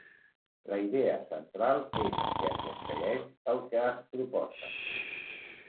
La idea central és que aconsegueix el que es proposa.